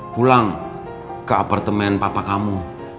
pulang ke apartemen papa kamu